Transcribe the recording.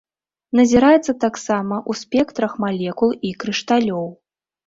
Назіраецца таксама ў спектрах малекул і крышталёў.